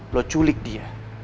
lo culik dia